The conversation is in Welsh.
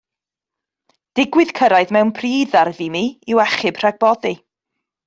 Digwydd cyrraedd mewn pryd ddarfu mi i'w achub rhag boddi.